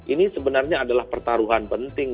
ini sebenarnya adalah pertaruhan penting